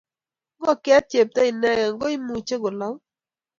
ng'okye chepto inegei ko imuchi ko loku